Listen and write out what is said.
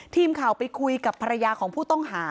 ทีมข่าวไปคุยกับภรรยาของผู้ต้องหา